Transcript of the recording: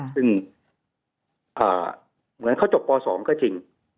ซึ่งเหมือนเขาจบป๒ก็จริง